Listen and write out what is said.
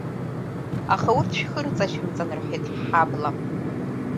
Аха урҭ шәхы рыҵашәымҵан рҳәеит ҳҳаблаа.